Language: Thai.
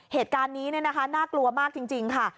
เหตุการณ์นี้น่ากลัวมากจริงค่ะ